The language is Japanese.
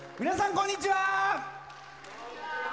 こんにちは。